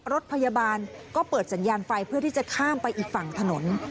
รถพยาบาลก็เปิดสัญญาณไฟเพื่อที่จะข้ามไปอีกฝั่งถนน